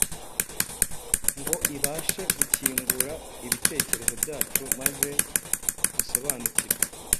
ngo ibashe gukingura ibitekerezo byacu maze dusobanukirwe